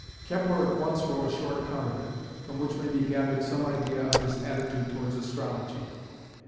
Kepler at once wrote a short account of it, from which may be gathered some idea of his attitude towards astrology.